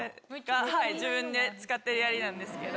自分で使ってるやりなんですけど。